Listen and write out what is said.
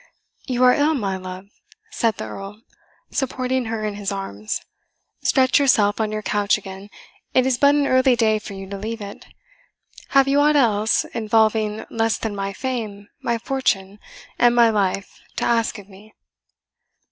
"You are ill, my love," said the Earl, supporting her in his arms. "Stretch yourself on your couch again; it is but an early day for you to leave it. Have you aught else, involving less than my fame, my fortune, and my life, to ask of me?"